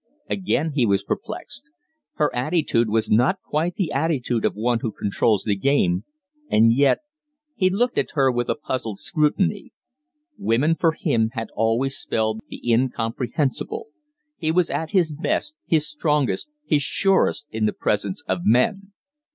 Again he was perplexed. Her attitude was not quite the attitude of one who controls the game, and yet He looked at her with a puzzled scrutiny. Women for him had always spelled the incomprehensible; he was at his best, his strongest, his surest in the presence of men.